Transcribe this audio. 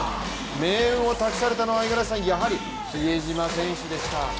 命運を託されたのは、やはり、比江島選手でした。